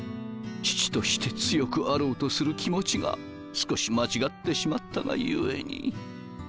父として強くあろうとする気持ちが少し間違ってしまったがゆえに。